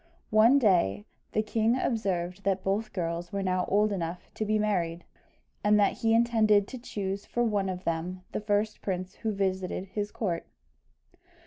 One day the king observed that both girls were now old enough to be married, and that he intended to choose for one of them the first prince who visited his court.